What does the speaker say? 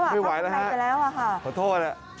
ไม่ไหวแล้วครับขอโทษนะครับเข้าในไปแล้วค่ะ